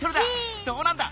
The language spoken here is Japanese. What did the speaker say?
どうなんだ。